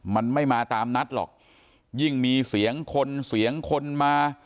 มันไม่มาตามนัดหรอกยิ่งมีเสียงคนเสียงคนมา